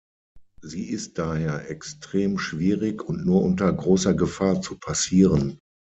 Sie ist daher extrem schwierig und nur unter großer Gefahr zu passieren.